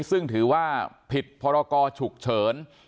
ซึ่งถือว่าผิดพรกรฉุกเฉิน